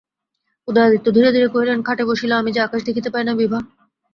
উদয়াদিত্য ধীরে ধীরে কহিলেন, খাটে বসিলে আমি যে আকাশ দেখিতে পাই না বিভা।